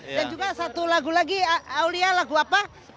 dan juga satu lagu lagi aulia lagu apa